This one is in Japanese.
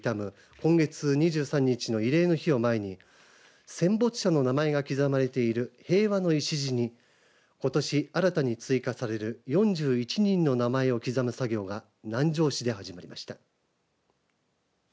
今月２３日の慰霊の日を前に戦没者の名前が刻まれている平和の礎にことし、新たに追加される４１人の名前を刻む作業が南城市で始まりました。